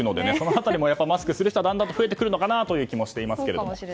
この辺りも、マスクする人はだんだんと増えてくるのかなという気もしますね。